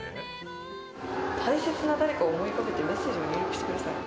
大切な誰かを思い浮かべて、メッセージを入力してください。